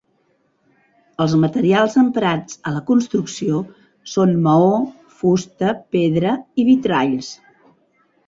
Els materials emprats a la construcció són maó, fusta, pedra i vitralls.